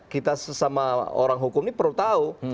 kita sesama orang hukum ini perlu tahu